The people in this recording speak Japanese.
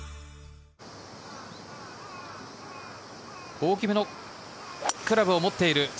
大きめのクラブを持っている。